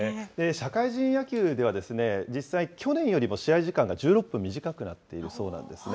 社会人野球では実際、去年よりも試合時間が１６分短くなっているそうなんですね。